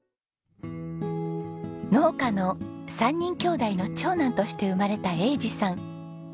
農家の３人兄弟の長男として生まれた栄治さん。